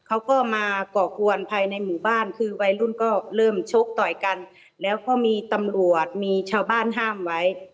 เขาก็มาก่อกวนภายในหมู่บ้านคือวัยรุ่นก็เริ่มชกต่อยกันแล้วก็มีตำรวจมีชาวบ้านห้ามไว้